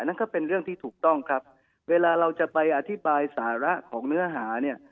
นั่นก็เป็นเรื่องที่ถูกต้องครับเวลาเราจะไปอธิบายสาระของเนื้อหาเนี่ย